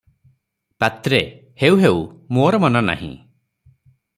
ପାତ୍ରେ- ହେଉ ହେଉ, ମୋର ମନା ନାହିଁ ।